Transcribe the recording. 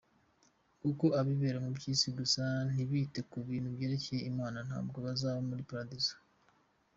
Kuko abibera mu byisi gusa ntibite ku bintu byerekeye imana, ntabwo bazaba muli paradizo.